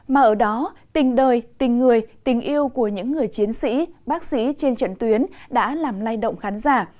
mà ở đó tình đời tình người tình yêu của những người chiến sĩ bác sĩ trên trận tuyến đã làm lay động khán giả